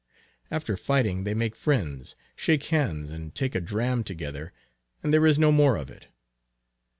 After fighting, they make friends, shake hands, and take a dram together, and there is no more of it.